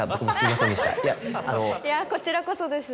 いやこちらこそです。